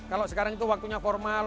kalau sekarang itu waktunya formal